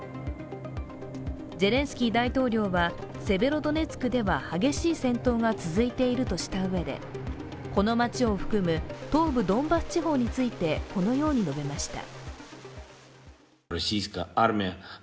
ゼレンスキー大統領はセベロドネツクでは激しい戦闘が続いているとしたうえで、この街を含む東部ドンバス地方についてこのように述べました。